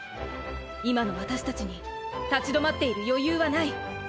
今の私達に立ち止まっている余裕はない！！